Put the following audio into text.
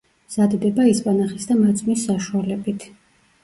მზადდება ისპანახის და მაწვნის საშუალებით.